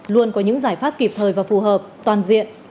luôn có những giải pháp kịp thời và phù hợp toàn diện